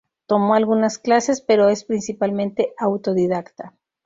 Tomó algunas clases, pero es principalmente autodidacta.